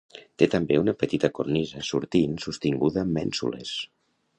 Té també una petita cornisa sortint sostinguda amb mènsules.